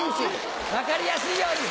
分かりやすいように！